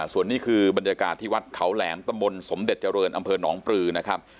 ส่วนนี้คือบรรยากาศที่วัดเขาแหลมตำบลสมเด็จเจริญอำเภอหนองปลือนะครับ